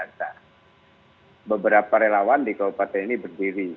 nah beberapa relawan di kabupaten ini berdiri